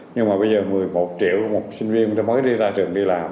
nhưng mà bây giờ một mươi một triệu một sinh viên mới ra trường đi làm